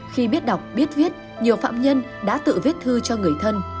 khi biết đọc biết viết nhiều phạm nhân đã tự viết thư cho người thân